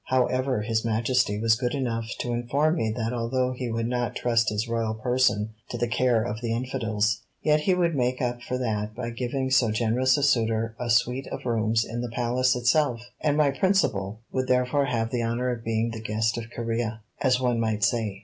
However, His Majesty was good enough to inform me that although he would not trust his royal person to the care of the infidels, yet he would make up for that by giving so generous a suitor a suite of rooms in the Palace itself, and my principal would therefore have the honour of being the guest of Corea, as one might say.